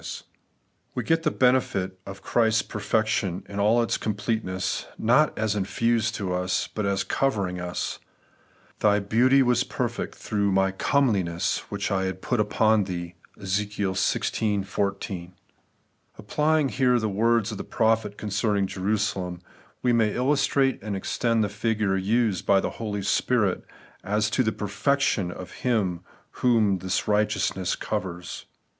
73 We get the benefit of His perfection in all its com pleteness ; not as infused into as, but as covering us :' Thy beanty ^ras perfect thioi^h ht ccoielikiss which I had put upon thee ' (Eaek. xvi 14). Apply ing heie the words of the ptophet concerning Jerosalem, we may illusttate and extend the figure used by the Holy Spirit as to the ' perf'ection ' of him whom this righteousness covers.